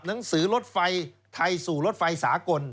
หนังสือรถไฟไทยสู่รถไฟสากล